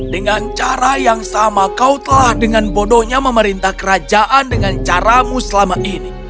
dengan cara yang sama kau telah dengan bodohnya memerintah kerajaan dengan caramu selama ini